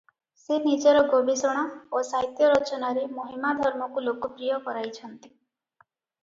ସେ ନିଜର ଗବେଷଣା ଓ ସାହିତ୍ୟ ରଚନାରେ ମହିମା ଧର୍ମକୁ ଲୋକପ୍ରିୟ କରାଇଛନ୍ତି ।